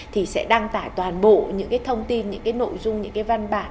thì sẽ đăng tải toàn bộ những thông tin những nội dung những văn bản